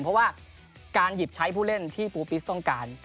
เพราะว่าการหยิบใช้ผู้เล่นที่ปูปิสต้องการ